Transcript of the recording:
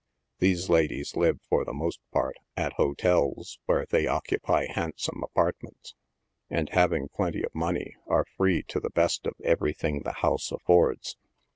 These ladies live, for the most part, at hotels, where they occupy handsome apartments, and, having plenty of money, are free to the best of every thing the house af fords.